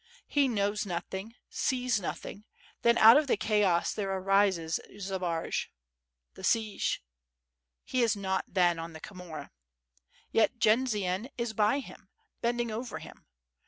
He knows nothing, sees nothing, then out of the chaos there arises Zbaraj: ... the siege. ... He is not then on the Khomora. Yet Jendzian is by him, bending over him.